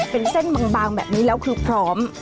เป็นเส้นบางแบบนี้แล้วคือพร้อม